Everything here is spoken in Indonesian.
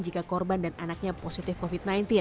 jika korban dan anaknya positif covid sembilan belas